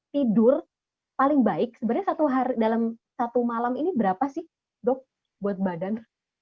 tidur paling baik sebenarnya dalam satu malam ini berapa sih dok buat badan